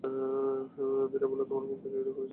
মীরা বললেন, তোমার মুখ এমন ফ্যাকাসে দেখাচ্ছে কেন?